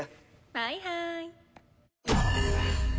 はいはい。